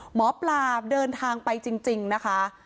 หมอปลาเดินทางไปจริงนะคะ